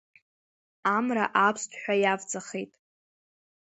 Амра аԥсҭҳәа иавҵахеит…